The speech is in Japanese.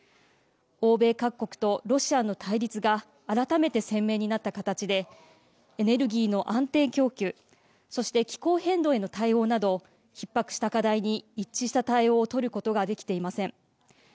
欧米各国とロシアの対立が改めて鮮明になった形でエネルギーの安定供給そして、気候変動への対応などひっ迫した課題に一致した対応を取ることができていません。